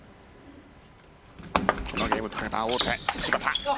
このゲームを取れば王手芝田。